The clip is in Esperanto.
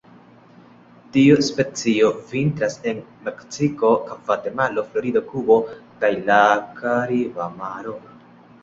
Tiu specio vintras en Meksiko, Gvatemalo, Florido, Kubo kaj la Kariba Maro.